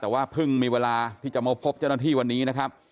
แต่ว่าเพิ่งมีเวลาที่จะมาพบเจ้าหน้าที่วันนี้นะครับ